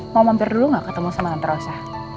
mau mampir dulu nggak ketemu sama tantarosa